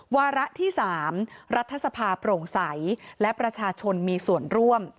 วาระที่๓รัฐสภาโปร่งใสและประชาชนมีส่วนร่วม